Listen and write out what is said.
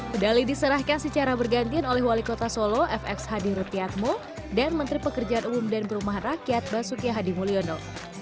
medali diserahkan secara bergantian oleh wali kota solo fx hadi rutyatmo dan menteri pekerjaan umum dan perumahan rakyat basuki hadi mulyono